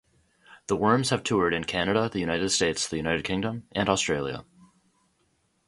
The Worms have toured in Canada, the United States, the United Kingdom, and Australia.